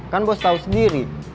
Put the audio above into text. kan bos tau sendiri